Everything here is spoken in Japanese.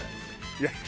いや。